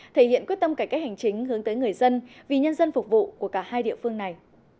thể hiện quyết tâm cải cách hành chính hướng tới người dân vì nhân dân phục vụ của cả hai địa phương này